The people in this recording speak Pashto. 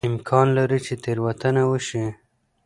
امکان لري چې تېروتنه وشي.